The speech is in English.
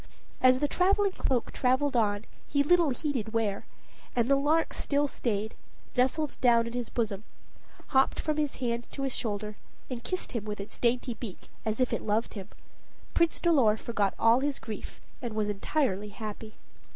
As the traveling cloak traveled on, he little heeded where, and the lark still stayed, nestled down in his bosom, hopped from his hand to his shoulder, and kissed him with its dainty beak, as if it loved him, Prince Dolor forgot all his grief, and was entirely happy.